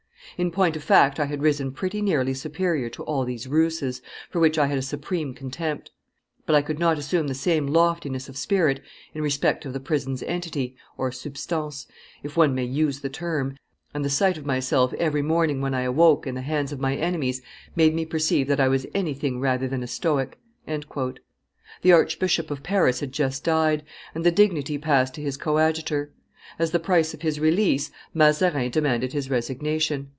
In point of fact I had risen pretty nearly superior to all these ruses, for which I had a supreme contempt; but I could not assume the same loftiness of spirit in respect of the prison's entity (substance), if one may use the term, and the sight of myself, every morning when I awoke, in the hands of my enemies made me perceive that I was anything rather than a stoic." The Archbishop of Paris had just died, and the dignity passed to his coadjutor; as the price of his release, Mazarin demanded his resignation.